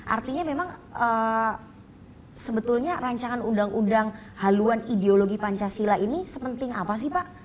artinya memang sebetulnya rancangan undang undang haluan ideologi pancasila ini sepenting apa sih pak